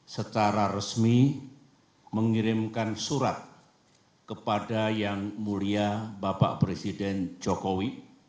secara resmi mengirimkan surat kepada yang mulia bapak presiden jokowi